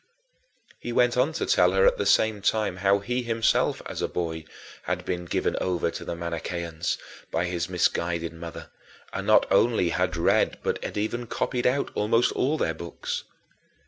He went on to tell her at the same time how he himself, as a boy, had been given over to the Manicheans by his misguided mother and not only had read but had even copied out almost all their books.